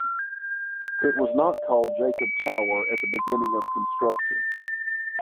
It was not called Jakob Tower at the beginning of construction.